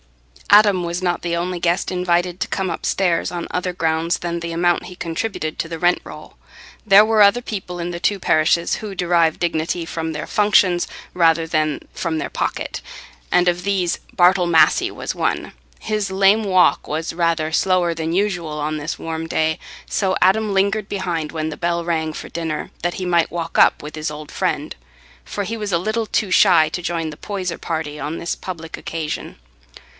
Adam was not the only guest invited to come upstairs on other grounds than the amount he contributed to the rent roll. There were other people in the two parishes who derived dignity from their functions rather than from their pocket, and of these Bartle Massey was one. His lame walk was rather slower than usual on this warm day, so Adam lingered behind when the bell rang for dinner, that he might walk up with his old friend; for he was a little too shy to join the Poyser party on this public occasion.